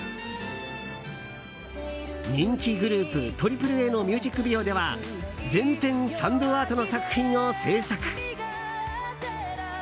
人気グループＡＡＡのミュージックビデオでは全編サンドアートの作品を制作。